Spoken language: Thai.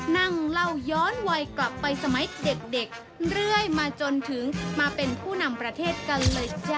นั่งเล่าย้อนวัยกลับไปสมัยเด็กเรื่อยมาจนถึงมาเป็นผู้นำประเทศกันเลยจ้ะ